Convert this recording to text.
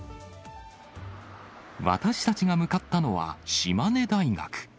私たちが向かったのは、島根大学。